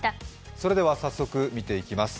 それでは早速見ていきます。